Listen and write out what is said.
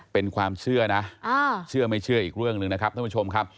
เป็นความเชื่อนะเชื่อไม่เชื่ออีกเรื่องหนึ่งนะครับท่านผู้ชมครับ